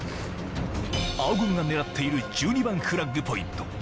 青軍が狙っている１２番フラッグポイント